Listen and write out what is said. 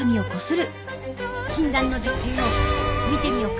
禁断の実験を見てみよか！